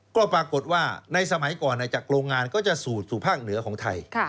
ก็ปรากฏว่าในสมัยก่อนจากโรงงานก็จะสูดสู่ภาคเหนือของไทย